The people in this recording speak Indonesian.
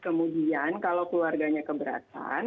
kemudian kalau keluarganya keberatan